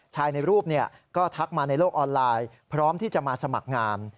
ในรูปก็ทักมาในโลกออนไลน์พร้อมที่จะมาสมัครงาน